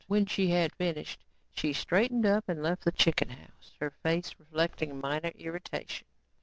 When she had finished, she straightened up and left the chicken house, her face reflecting minor irritation.